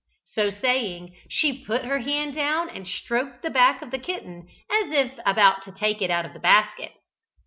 So saying, she put her hand down and stroked the back of the kitten, as if about to take it out of the basket.